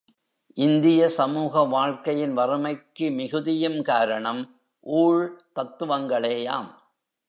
இந்திய சமூக வாழ்க்கையின் வறுமைக்கு மிகுதியும் காரணம் ஊழ் தத்துவங்களேயாம்.